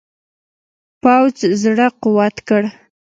پوځ زړه قوت کړ.